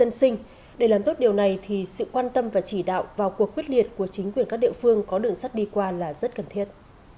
dân sinh để làm tốt điều này thì sự quan tâm và chỉ đạo vào cuộc quyết liệt của chính quyền các địa phương có đường sắt đi qua là rất cần thiết